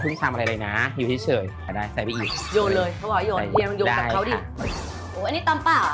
เพราะเรามีนิยาที่จะเลี้ยงลูก